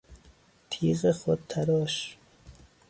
تیغ خودتراش